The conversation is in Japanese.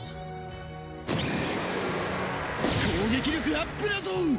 攻撃力アップだぞう！